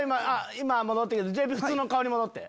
今戻ってきたＪＰ普通の顔に戻って。